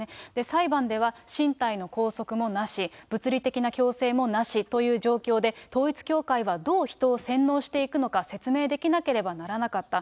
裁判では身体の拘束もなし、物理的な強制もなしという状況で、統一教会はどう人を洗脳していくのか説明できなければならなかった。